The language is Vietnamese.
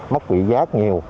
bị giác nhiều